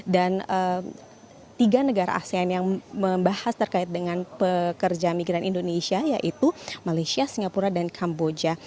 tiga negara asean yang membahas terkait dengan pekerja migran indonesia yaitu malaysia singapura dan kamboja